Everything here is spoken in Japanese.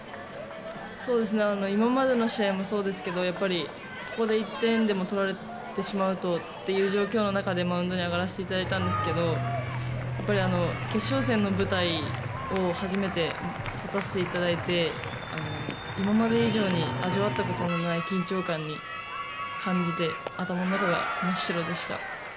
今までの試合もそうですけどここで１点でも取られてしまうとという状況の中でマウンドに上がらせていただいたんですけどやっぱり決勝戦の舞台を初めて立たせていただいて今まで以上に味わったことのない緊張感を感じて頭の中が真っ白でした。